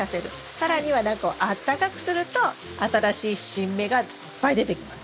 更には中を暖かくすると新しい新芽がいっぱい出てきます。